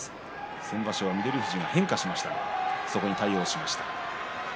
先場所は翠富士が変化しましたが貴景勝それにも対応しています。